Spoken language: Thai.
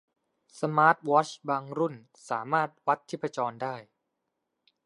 สมาร์ทวอชบางรุ่นสามารถวัดชีพจรได้